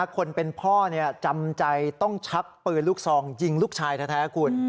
คนเป็นพ่อจำใจต้องชักปืนลูกซองยิงลูกชายแท้คุณ